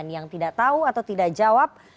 yang tidak tahu atau tidak jawab